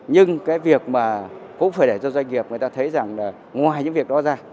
nhưng cái việc mà cũng phải để cho doanh nghiệp người ta thấy rằng là ngoài những việc đó ra